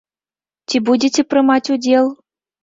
Ці будзеце прымаць удзел?